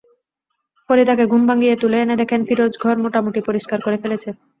ফরিদাকে ঘুম ভাঙিয়ে তুলে এনে দেখেন, ফিরোজ ঘর মোটামুটি পরিষ্কার করে ফেলেছে।